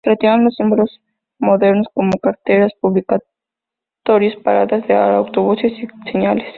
Se retiraron los símbolos modernos, como carteles publicitarios, paradas de autobús y señales.